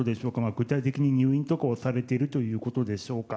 具体的に入院とかされているということでしょうか。